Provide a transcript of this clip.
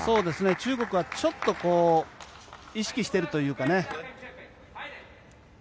中国はちょっと意識しているというか。